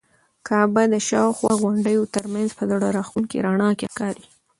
کعبه د شاوخوا غونډیو تر منځ په زړه راښکونکي رڼا کې ښکاري.